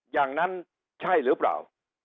อย่างนั้นใช่หรือเปล่า